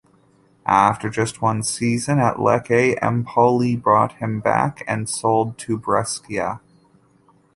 After just one season at Lecce, Empoli bought him back and sold to Brescia.